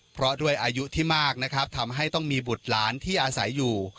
เพราะด้วยอายุที่มากนะครับทำให้ต้องมีบุตรหลานที่อาศัยอยู่